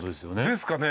ですかね。